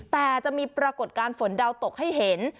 แต่จะมีปรากฏการณ์ฝนดาวตกให้เห็น